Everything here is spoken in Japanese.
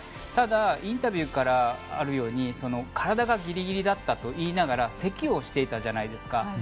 ただインタビューからあるように体がギリギリだったと言いながらせきをしていたじゃないですか。